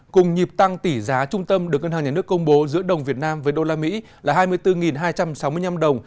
cùng nhịp tăng tỷ giá trung tâm được ngân hàng nhà nước công bố giữa đồng việt nam với đô la mỹ là hai mươi bốn hai trăm sáu mươi năm đồng